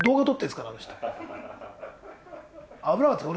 危なかった俺。